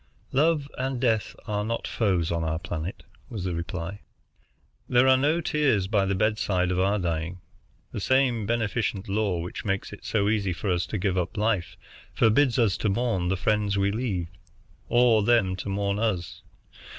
"Love and death are not foes on our planet," was the reply. "There are no tears by the bedsides of our dying. The same beneficent law which makes it so easy for us to give up life forbids us to mourn the friends we leave, or them to mourn us.